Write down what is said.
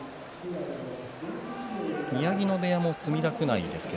宮城野部屋も墨田区内ですね